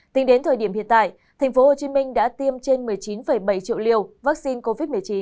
tính đến thời điểm hiện tại tp hcm đã tiêm trên một mươi chín bảy triệu liều vaccine covid một mươi chín